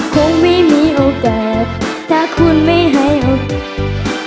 คงไม่มีโอกาสถ้าคุณไม่ให้โอกาส